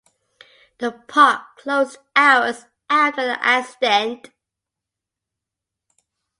The park closed hours after the accident.